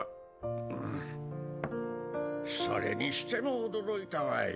それにしても驚いたわい。